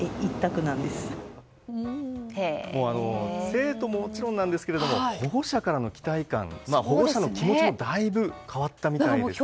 生徒ももちろんですが保護者からの期待感保護者の気持ちもだいぶ変わったみたいです。